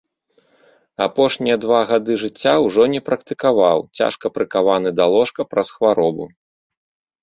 Апошнія два гады жыцця ўжо не практыкаваў, цяжка прыкаваны да ложка праз хваробу.